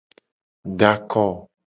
Da ako.